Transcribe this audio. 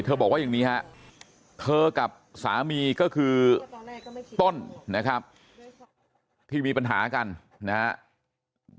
บอกว่าอย่างนี้ฮะเธอกับสามีก็คือต้นนะครับที่มีปัญหากันนะครับ